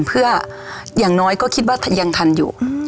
เพื่ออย่างน้อยก็คิดว่ายังทันอยู่